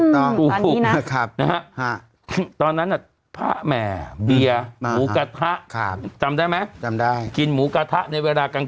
เมื่อไหร่ที่เป็นวัดดังนั่นแหละเชียงใหม่ด้วย